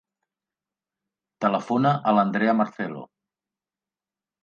Telefona a l'Andrea Marcelo.